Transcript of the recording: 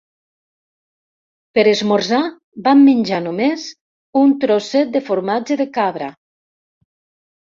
Per esmorzar, vam menjar només un trosset de formatge de cabra